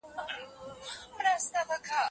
د افغانستان بهرنیو پالیسي د سولي لپاره کافي نه ده.